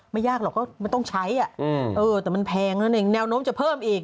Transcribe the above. ไม่ยากหรอกก็มันต้องใช้แต่มันแพงแล้วในแนวโน้มจะเพิ่มอีก